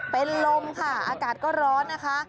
เป็นลมค่ะอากาศก็ร้อนนะคะ